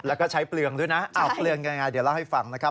แล้วก็ใช้เปลืองด้วยนะเปลืองยังไงเดี๋ยวเล่าให้ฟังนะครับ